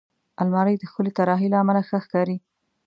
الماري د ښکلې طراحۍ له امله ښه ښکاري